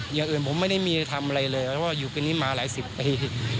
อย่างอื่นผมไม่ได้มีทำอะไรเลยเพราะว่าอยู่กินนี้มาหลายสิบปี